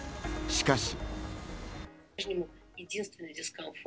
しかし。